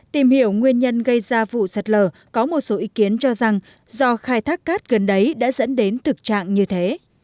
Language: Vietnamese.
tìm hiểu nguyên nhân gây ra vụ sạt lở có một số ý kiến cho rằng do khai thác cát gần đấy đã dẫn đến thực trạng như thế